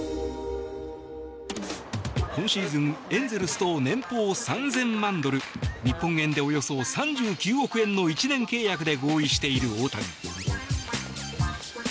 今シーズン、エンゼルスと年俸３０００万ドル日本円でおよそ３９億円の１年契約で合意している大谷。